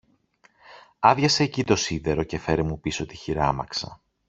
άδειασε εκει το σίδερο και φέρε μου πίσω τη χειράμαξα.